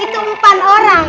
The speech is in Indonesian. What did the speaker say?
itu empat orang